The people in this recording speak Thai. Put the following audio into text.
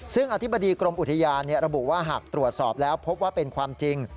ซึ่งอธิบดีกรมอุทยานระบุว่าหากตรวจสอบแล้วพบว่าเป็นความจริง